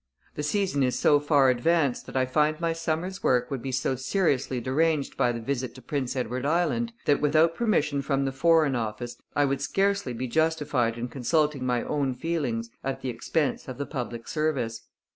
The season is so far advanced that I find my summer's work would be so seriously deranged by the visit to Prince Edward Island that, without permission from the Foreign Office, I would scarcely be justified in consulting my own feelings at the expense of the public service.